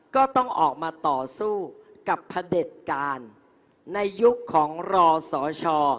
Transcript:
ก็ต้องออกมาต่อสู้กับพระเด็จการในยุคของรอสช